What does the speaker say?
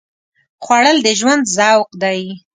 خوړل د ژوند ذوق دی